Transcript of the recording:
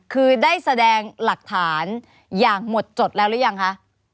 คือได้แสดงหลักฐานอย่างหมดจดแล้วหรือยังคะ